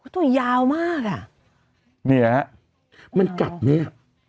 ตัวนี้ยาวมากอ่ะนี่นะฮะมันกัดไหม